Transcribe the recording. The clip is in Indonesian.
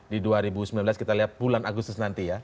di dua ribu sembilan belas kita lihat bulan agustus nanti ya